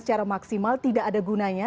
secara maksimal tidak ada gunanya